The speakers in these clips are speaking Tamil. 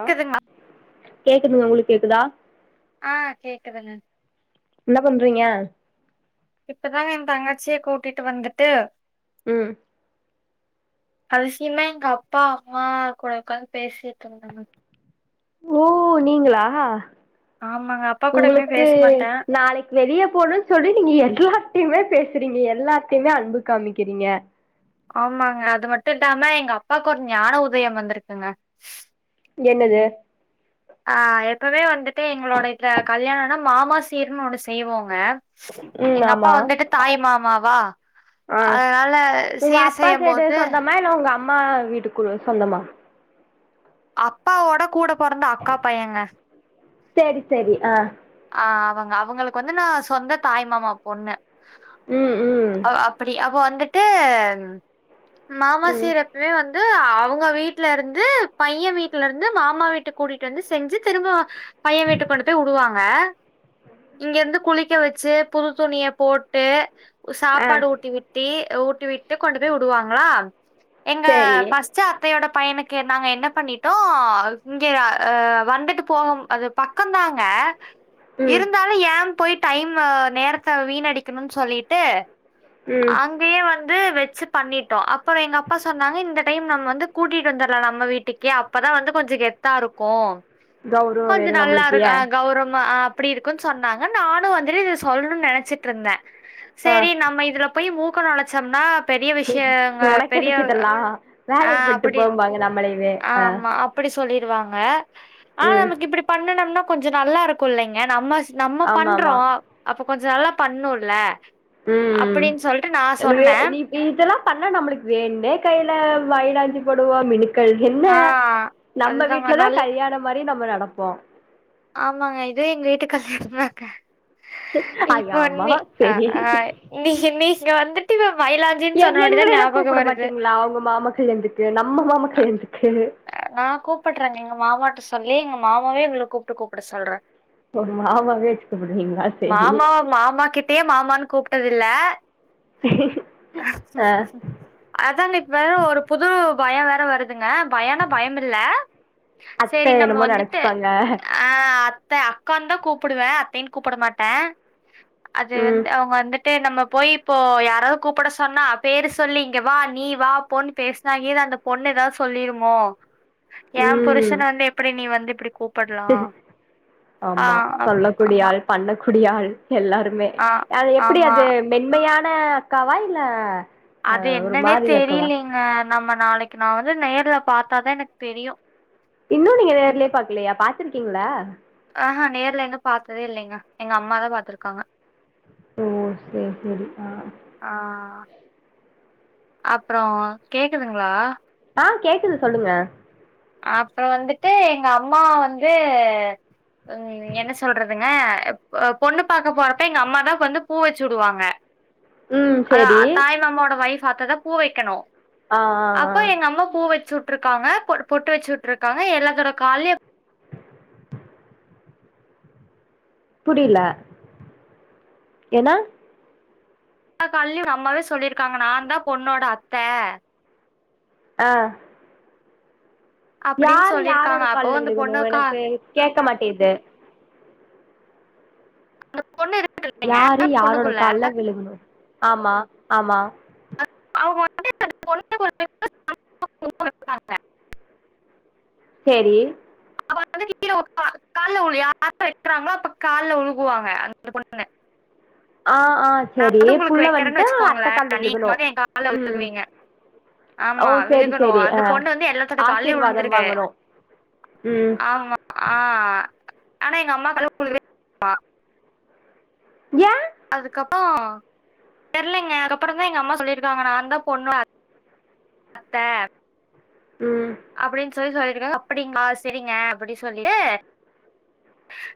ஆ கேக்குதுங்களா கேக்கு உங்க கேக்குதா ஆ கேக்குதுங்க என்ன பண்றீங்க இப்பதாங்க என் தங்கச்சியே கூட்டிட்டு வந்துடு உம் அதிசயமா எங்க அப்பா அம்மா கூட உக்காந்து பேசிக்க இருந்தாங்க ஓ நீங்களா ஆமாங்க அப்பா கூட எப்பயுமே உங்களுக்கு பேச மாட்டே நாளைக் வெளியே போணு சொல்லி நீங்க எல்லா திப்மே பேசுறீங்க எல்லாத்தையுமே அன்பு காமிக்கிறீங்க ஆமாங்க அது மட்டுடாம எங்க அப்பாக்கு ஒர் ஞான உதயம் வந்துருக்குங்க என்னது ஆ எப்பேவே வந்துட்டு எங்களோட இத்ல கல்யாணம்னா மாமாசீர்னு ஒண்ணு செய்வோங்க ம் எங்க அப்பா ஆமா வந்துட்டு தாய் மாமா வா ஆ உங்க அப்பா செய்யும் சைடு போது சொந்தமா உங்க அம் அம்மா வீட்டுக் குள் சொந்தமா அப்பாவோட கூட பெறந்த அக்கா பையங்க சேரி சேரி ஆ ஆ அவங்க அவங்களுக்கு வந்து நா சொந்த தாய் மாமா பொண்ணு ம் ம் ஆ அவ் அப்டி அப்ப வந்து மாமா ம் சீர் எப்வே வந் து அவுங்க வீட்ல இருந்து பைய வீட்ல இருந்து மாமா வீட்டுக் கூடிட்டு வந்து செஞ்சி திரும்போ பைய வீட்டுக் கொண்டு போய் உடுவாங்க இங்கேர்ந்து குளிக்க வெச்சு புது துணிய போட்டு உ ஆ சாப்பாடு ஊட்டி விட்டி எ ஊட்டி விட்டு கொண்டு போய் உடுவாங்ளா எங்க சேரி ஃபஸ்ட்டு அத்தயோடப் பையனுக்கு நாங்க என்ன பண்ணிட்டோ அது இங்கே அ அ வந்துட்டு போவோ அது பக்கொந்தாங்க ம் இருந்தாலு ஏம் பொயிட் டைம்மு நேரத்த வீண் அடிக்குணுன் சொல்லிட் டு ம் அங்கயே வந் து வெச்சு பண்ணிட்டோ அப்பற எங்க அப்பா சொன்னாங்க இந்த டைம் நம்ம வந்து கூட்டிட்டு வந்துர்லா நம்ம வீட்டுக்கே அப்பதா வந்து கொஞ்ச கெத்தா இருக்கு கௌரவ கொஞ்ச வேணு நல்லா நம்மளுக்கு இருக் ஏ அ கௌர்வமா அ ப்புடி இருக்குன் சொன்னாங்க நானு வந்துரு இத சொல்ணுன் நெனச்சிட்ருந்த ஆ செரி நம்ம இதுல போய் மூ க்க நொழச்சம்னா ஒனக்கெதுக்கு இதெல்லா ஆ வேலைய பாட்டு அப்படி போம்பாங்க நம்மளயவே அ வாங்க ஆ நமக்கு இப்டி பண்ணுனம்னா கொஞ்ச நல்லா இருக்கு இல்லைங்க நம்ம நம்ம ஆமா பண்றோ ஆமா அப்ப கொஞ்ச நல்லா பண்ணு இல்ல ம் ம் வே நீ இதெல்லா பண்ணா நம்மளுக்கு வேண்ணே கைல மைலாஞ்சி படுவா மினி க்கள் என்ன ஆ நம்ம அதுதாங்க. வீட்டுலதா நல்லா கல்யாணமாரி நம்ம நடப்போ ஆமாங்க இது எங்க வீட்டு கல்யாணந்தாங்க ஐயா இப்போ ஆமா இன்னி அ செரி அ இன்னிக் இன்னிக் இங்க வந்துட்டு இவ எங் எங்களயெலா கூப்டமாட்டிங்ளா உங்க மாமா கல்யாணத்துக்கு நம்ம மாமா கல்யாணத்துக்கு நா கூப்புடுற நீங்க மாமாட்டுஸ் சொல்லி எங்க மாமாவே உங்ள கூப்ட்டு கூப்புட சொல்ற ஒரு மாமாவே வச்சு கூப்பிடுவீங்களா செரி மாமா மாமா கிட்டயே மாமானு கூப்பிட்டது ல்ல ஆ அதாங்க இப்ப ஒரு புது பய வேற வருதுங்க பயனா பயமில்ல அத்த செரி நம்ம என்னமோ வந்துட்டு நெனச்சுப்பாங்க ஆஹ் அது அத்த அக்கான்தா கூப்புடுவே அத்தைன்னனு கூப்பட மாட்டே அது ம் வந்து அவுங்க வந்துட்டு நம்ம போய் இப்போ யாராவது கூப்பிட சொன்னா பேரு சொல்லி இங்க வா நீ வா போண்ணு பேசுனா இங்கேந்து அந்த பொண்ணு ஏதாவது சொல்லிரு ஓ என் ம் புருஷன வந்து எப்படி நீ வந்து இப்படி கூப்பட்லாம் ஆஹ் ஆமா கூடியால் எல்லாருமே ஆ அது எப்டி ஆமா அது மென்மையா என்ன அக்கவா இல்ல அ அது ஒரு என்னன்னே மாரி அக்காவா தெரியலீங்க நம்ம நாளைக்கு நா வந்து நேர்ல பாத்தாதான் எனக்கு தெரியும் இன்னு நீங்க நேர்லயே பாக்கலையா பாத் பாத்துருக்கீங்கள ஆஹா நேர்ல என்னும் பாத்ததே இல்லைங்க எங்க அம்மாதா பாத்துருக்காங்க ஓ செரி செரி ஆ அப்றோ கேக்குதுங்ளா ம் கேக்குது சொல்லுங்க அப்புறோ வந்துட்டு எங்க அம்மா வந்து ஹ்ம் என்ன சொல்றதுங்க பொண்ணு பாக்க போறப்ப எங்க அம்மாதான் வந்து பூ வச்சுடுவாங்க ம் அதா சேரி தாய்மாமாவோட ஓய்ஃப் பாத்தாதா பூ வைக்கணு ஆ ஆ ஆ அப்ப எங்க அம்மா பூ வச்சுட் விட்டிருக்காங்க பொட்டு பொட்டு வச்சு விட்ருக்காங்க எல்லாத்தோட கால்லயும் புரியல என்ன எல்லா கால்லயும் அம்மாவே சொல்லிருக்காங்க நாதான் பொண்ணோட அத்த ஆ அப்டின்னு யாரு யாரோட சொல்லிருக்காங்க அப்போ கால்ல அந்த விழுகணும் பொண்ணுக்கா எனக்கு கேக்க மாட்டேது அந்த பொண்ணு இருக்கு இல்லைங்க யாரு பொண்ணு யாரோட புள்ள கால்ல விழுகணும் ஆமா ஆமா அவங்க வந்து [unintelligible] செரி அப்ப வந்து கீழ உட்க்காந்து கால்ல உழுகு யாரு நிக்கிறாங்களோ அப்ப கால்ல உழுகுவாங்க அந்த பொண்ணு ஆ ஆ நா சரி வந்து உங்களுக்கு புள்ள வெக்கறேனு வந்ட்டு அத்த வெச்சுக்கோங்களே கால்ல நீங்க விழுகணு வந்து என் கால்ல ம் விழுகுவீங்க ஓ ஆமா சரி விழுகணு சரி அந்த ஆ பொண்ணு வந்து எல்லாத்தோட கால்லயு ஆசீர்வாதம் விழுந்திரு வாங்கணு ம் ஆமா ஆஹ் ஆனா எங்க அம்மா கால்ல [inaudible] ஏ அதுக்கப்புறோ தெர்லிங்க அதுக்கப்புறந்தா எங்க அம்மா சொல்லிருக்காங்க நான்தா பொண்ணோட அத்த ம் அப்டின் சொல்லி சொல்லி ருக்காங்க அப்படிங்ளா செரிங்க அப்டி சொல்லிட்டு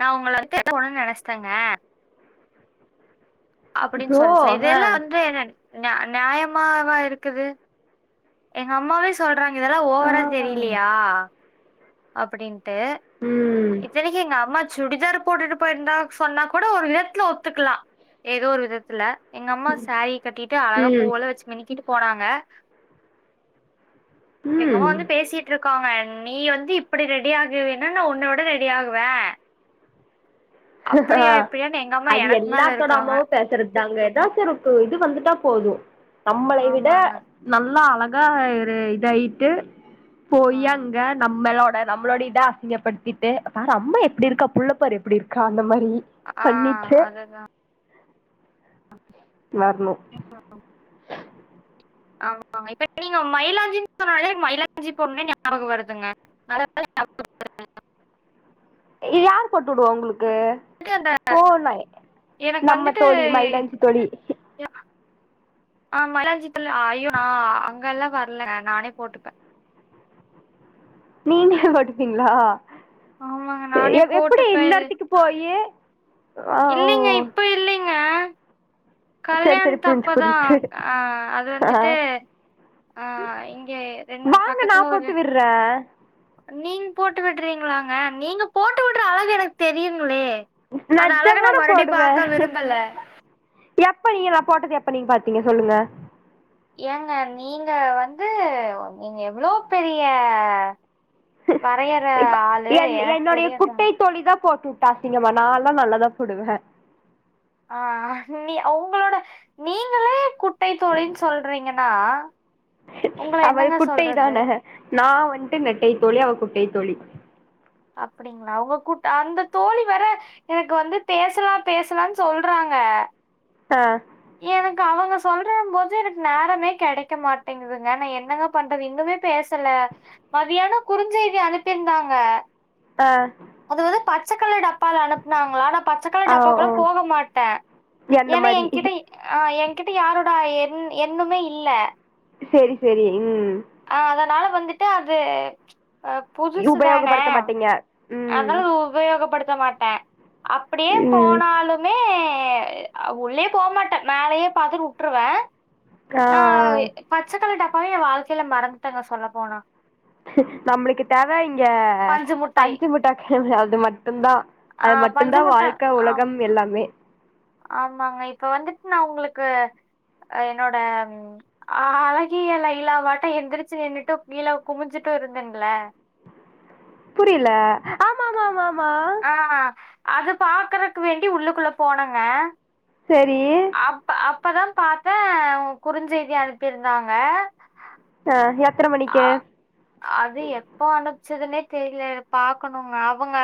நான் உங்கள வந்து [unintelligible] நினைச்சிட்டேங்க அப்டின்னு ஓ சொல்லுச்சா ஆ இதெல்லா வந்து என்ன நியா நியாயமாவா இருக்குது எங்கம்மாவே சொல் றாங்க இதெல்லா ஆ ஓவரா தெரியலையா அப்டின் ட்டு ம் இத்தனைக்கி எங்க அம்மா சுடிதார் போட்டுட்டு போயிருந்தா சுடிதார் போட்டுட்டு போயிருந்தா சொன்னா கூட ஒரு விதத்துல ஒத்துக்கலா ஏதோ ஒரு விதத்துல எங்க அம்மா சாரீ கட்டிட்டு அழகா ம் பூவல்லா வெச்சு மினிக்கிட்டு போனாங்க எங்கம்மா ம் வந்து பேசிட்டு இருக்காங்க நீ வந்து இப்படி ரெடி ஆகுவேனா நா உன்ன விட ரெடி ஆகுவ ஆஹ் அது மேல எல்லாத்தோட இருக்காங்க. அம்மாவு பேசுறது தாங்க எதாச்சு ஒரு இது வந்துட்டா போது நம்மளை விட ஆமாங்க. நல்லா அழங் கா ஒரு இதாயிட்டு ஆ. போய் அங்க நம்மல்லெ நம்மளோட இத அசிங்கப்படுத்திட்டு பாரு அம்மா எப்படி இருக்கா புள்ளப் பார் எப்படி இருக் கா அந்த மாரி யி ஆ பண்ணிட்டு அதுதான். மாறணு ஆமா இப்ப நீங்க மயிலாஞ்சினு சொன்னாலே மயிலாஞ்சி போணுனு ஞாபகம் வருதுங்க நல்ல வேள ஞாபகப்படுத்துனீங்க யார் போட்டுவிடுவா உங்களுக்கு அந்த ஓ ந எனக்கு நம்ம வந்துட்டு தோழி மயிலாஞ்சி தோழி ஆஹ் மைலாஞ்சி தோழி ஐயோ நா அங்க எல்லா வர்ல நானே போட்டுப்ப நீங்களே போட்டுப்பீங்களா ஆமாங்க நானே எப்படி போட்டுப்பேன் இந்த இது. எடத்துக்கு போயி ஆ ஓ இல்லைங்க செரி கல்யாண செரி புரிஞ்சு தப்பதா புரிஞ்சு அஹ் அது ஆ வந்துட்டு அஹ் இங்க ரெண் வாங்க நா பக்கத்துல ஒரு போட்டு விட்றே நீங்க போட்டு விடுறீங்களாங்க நீங்க போட்டு விடுற அழகு எனக்கு தெரியுங்களே அந்த அழக நெஜமா நா மறுடி போடுவே பாக்க விரும்பல எப்ப நீங்க நா போட்டது எப்ப நீங்க பாத்தீங்க சொல்லுங்க ஏங்க நீங்க வந்து நீங்க எவ்ளவு பெரிய ஹி ஹி வரையற ஹூக் இப்ப ஆளு என் எனக்கு என்னுடைய தெரியாதாங்க. குட்டை தொளிதா போட்டுவுட்டா அசிங்கம நான்ல்லா நல்லாதா போடுவ ஆஹ் நீ உங்களோட நீங்களே குட்டை தோழின்னு சொல்றீங்கன்னா உங்கள அவள் என்னங்க குட்டை சொல்றது? தானே நா வந்துட்டு நெட்டை தோழி அவள் குட்டை தோழி அப்படிங்களா உங்க கூட்ட அந்த தோழி வர எனக்கு வந்து பேசலா பேசலானு சொல்றாங்க ஆ எனக்கு அவங்க சொல்ற போது எனக்கு நேரமே கிடைக்க மாட்டேங்குதுங்க நா என்னங்க பண்றது இன்னுமே பேசல மதியான குறுஞ்செய்தி அனுப்பியிருந்தாங்க ஆ அத வது பா சகல டப் அப்பால அனுப்புனாங்களா நா பச்சைக்கள ஆ ஓ டப்பாக்குள்ள போக மாட்ட என்ன ஏனா மாரி எகிட்ட ஆஹ் என்கிட்ட யாரோட எண்ணுமே இல்ல செரி செரி உம் ஆ அதனால வந்துட்டு அது அஹ புதுசு தானே உபயோகப்படுத்த மாட்டீங்க ம் அதால உபயோகப்படுத்த த மாட்ட அப்படியே ம் போனாலுமே எ உள்ளே போ மாட்ட மேலயே பார்த்தட்டு விட்டுருவேன் ஆ நான் ஆ பச்சக்கள டா- பவே எ வாழ்க்கையில மறந்துட்டங்க சொல்ல போனா நம்பளுக்கு தேவ இங்க பஞ்சு மிட்டாய் பஞ்சு முட்டா அது மட்டும்தா ஆ அது பஞ்சு மட்டும்தா மிட்டாய் வாழ்க்க ஆம், உலகம் எல்லாமே ஆமாங்க இப்ப வந்துட்டு நா உங்களுக்கு ஹ என்னோட அஹ அழகிய லைலா வாட்ட எந்திரிச்சு நின்னுட்டு கீழே குமிஞ்சுட்டு இருந்தன்ல புரியல ஆமா ஆமா ஆமா ஆ ஆஹ் அது பாக்குறக்கு வேண்டி உள்ளுக்குள்ள போனங்க செரி இப்பதா பாரத்த குறுஞ்செய்தி அனுப்பியிருந்தாங்க ஆஹ் எப் அஹ அது யெபோ அனுப் ச்சதுன்னே தெரியல பாக்கணுங்க அவங்க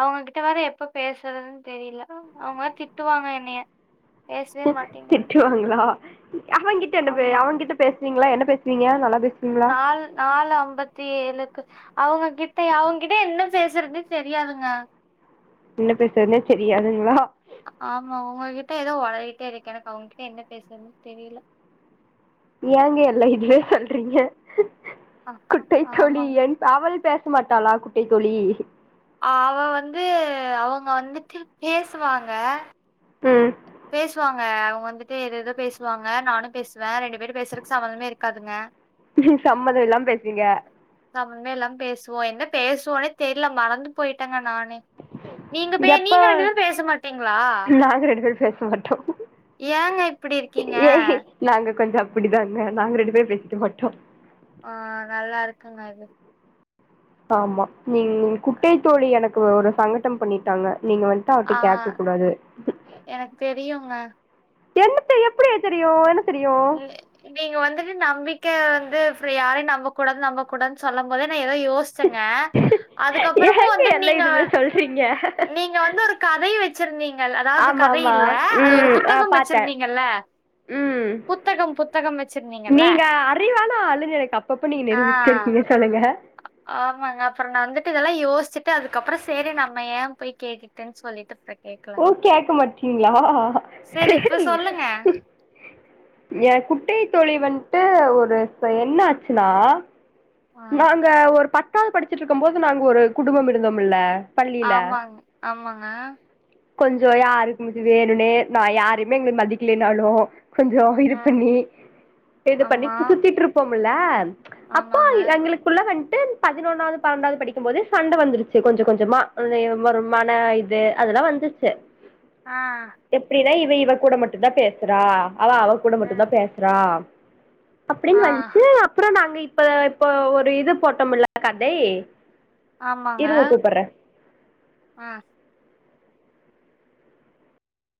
அவங்ககிட்ட வேற எப்ப பேசுறதுன்னு தெரியல அவங்க வேர திட்டுவாங்க என்னைய பேசவே மாட்டேங்கிறேன் திட்டுவாங்களா அவகிட்ட என்ன ஆமா அவங்ககிட்ட பேச நீங்களா என்ன பேசுவீங்க நல்லா பேச நால் நாலு அம்பத்தி ஏழு அவங்ககிட்ட அவங்ககிட்ட என்ன பேசுறது தெரியாதுங்க என்ன பேசுறதுனே தெரியாதுங்களா ஆமா உங்ககிட்ட ஏதோ உளறிகிட்டே இருக்கே எனக்கு அவங்ககிட்ட என்ன பேசுறதுன்னு தெரியல ஏங்க எல்ல இதுலே சொல்றீங்க ஆமா குட்டை தோழி ஆமாங்க என் அவள் பேசமாட்டாளா குட்டை தோழி அவ வந்து அவங்க வந்துட்டு பேசுவாங்க ம் பேசுவாங்க அஹா அவுங்க வந்துட்டு எதோ எதோ பேசுவாங்க நானு பேசுவே ரெண்டு பேரும் பேசுறதுக்கு சமந்தமே இருக்காதுங்க சம்மதம் இல்லாம பேசுவீங்க சமந்தமே எல்லாம் பேசுவோ என்ன பேசுவோனே தெரியில மறந்து போயிட்டாங்க நா னே நீங்க பே நீங்க ரெண்டு எப்ப பேர் பேச மாட்டீங்கிளா மாட்டோம் ஏங்க இப்பிடி இருக்கீங்க அப்பிடிதாங்க நாங்க ரெண்டு பேர் பேசிக்க மாட்டோம் ஆஹா நல்லா இருக்குங்க இது ஆமா நீ குட்டை தோழி எனக் கோரு சங்கட்டம் பண்ணிட்டாங்க நீங்க வந்துட்டு அவட்ட ஆ கேக்க கூடாது எனக்கு தெரியுங்க என்னத்த எப்பிடியே தெரியு எனுத் நீ நீங்க வந்துட்டு நம்பிக்க து யாரையு நம்ப கூடாது நம்ப கூடானு சொல்லம் போதே எதோ யோச்சங்க அதுக்கப்புறமு ஏங்க வந்துட் எல்லா நீங்க இதுவே சொல்றீங்க நீங்க வந்து ஒரு கதை வெச்சிருந்தீங் ங்கல்லா அதாவுது ஆமா ஆமா கதையில்ல அது ஒரு புத்தகம் வெச்சுருந்தீங்கல்ல உம் புத்தகம் புத் நீங்க அறிவான ஆளுன் எனக்கு அப்பப்ப நீங்க நிரூவுசுட்டே ஆ இருக்கீங்க சொல்லுங்க ஆமாங்க அப்புற நா வந்துட்டு இதுல்லா இ யோசிட்டு அதுக்கப்புற சேரி நம்ம ஏ போய் கேக்குட்டு சொல்லிட்டு ஓ கேட்கலங்க. கேக்க மாட்டீங்கிளா சரி இப்ப செரி சொல்லுங்க. எ குட்டை தோழிய வந்துட்டு ஒரு என்ன ஆச்சுன்னா ஆ. நாங்க ஒரு பத்தாவது படிச்சுட்டு இருக்கும் போது நாங்க ஒரு குடும்பம் இருந்தோம்முல்ல ஆம்மாங் ஆமாங்க கொஞ்சோ யாருக்கும்மிது வேணுன்னே நா யாருமே என்ன மதிக்கிலனாலு கொஞ்சோ இது ம். பண்ணி இத பண்ணி ஆமா. சுத்திட்டுருப்போம் புல்லாம் ஆமாங்க புள்ள வந்துட்டு பதினொன்னாவது பன்னெண்டாவது படிக்கும் போது சண்ட வந்துருச்சு கொஞ்சு கொஞ்சமா இருவரு மன இது அதெல்லா வந்துச்சு ஆ எப்டின்னா இவ கூட மட்டுந்தா பேசுறா அவ அவ கூட மட்டுந்தா ம். பேசுறா அப்பிடின் ஆ. வண்சு அப்புறோ நாங்க இப் [unintelligible] இப்ப ஒரு இது போட்டம்ல கதை ஆமாங்க இருங்க கூப்பட்றே ஆஹ்.